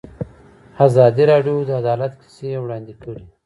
ازادي راډیو د عدالت کیسې وړاندې کړي.